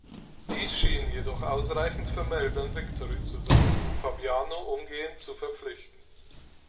Dies schien jedoch ausreichend für Melbourne Victory zu sein, um Fabiano umgehend zu verpflichten.